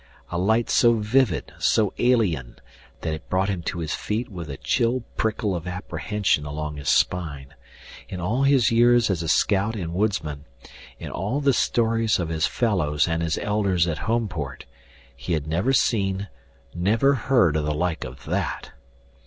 A light so vivid, so alien, that it brought him to his feet with a chill prickle of apprehension along his spine. In all his years as a scout and woodsman, in all the stories of his fellows and his elders at Homeport he had never seen, never heard of the like of that!